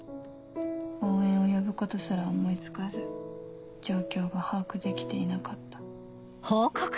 応援を呼ぶことすら思い付かず状況が把握できていなかった」。